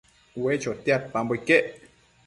ue chotiadpambo iquec